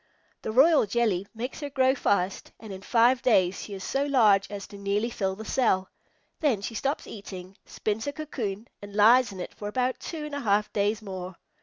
The royal jelly makes her grow fast, and in five days she is so large as to nearly fill the cell. Then she stops eating, spins a cocoon, and lies in it for about two and a half days more.